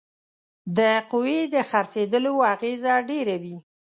د قوې د څرخیدلو اغیزه ډیره وي.